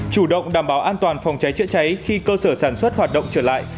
chủ động đảm bảo an toàn phòng cháy chữa cháy khi cơ sở sản xuất hoạt động trở lại